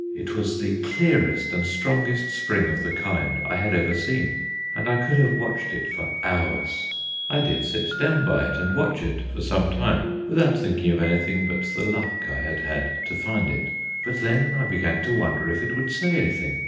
It was the clearest and strongest spring of the kind I had ever seen, and I could have watched it for hours. I did sit down by it and watch it for some time without thinking of anything but the luck I had had to find it. But then I began to wonder if it would say anything.